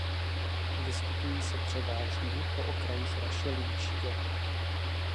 Vyskytují se převážně po okrajích rašeliniště.